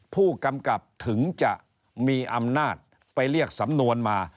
ผู้กำกับถึงจะมีอำนาจไปเรียกสำนวนมา